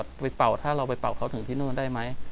กลับมาที่สุดท้ายและกลับมาที่สุดท้าย